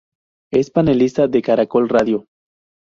Es panelista de Caracol Radio.